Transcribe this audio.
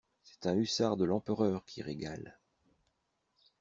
C'est un hussard de l'Empereur qui régale!